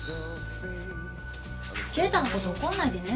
敬太のこと怒んないでね。